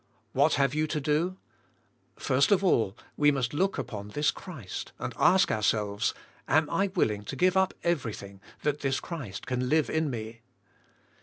What have you to do? First of all, we must look upon this Christ, and ask ourselves. Am I willing to give up everything, that this Christ can live in me?